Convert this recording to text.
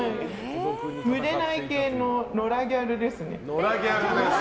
群れない系の野良ギャルですね。